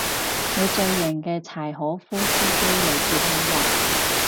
你最型嘅柴可夫司機嚟接你喇